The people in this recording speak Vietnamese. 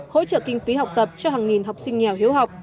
hỗ trợ kinh phí học tập cho hàng nghìn học sinh nghèo hiếu học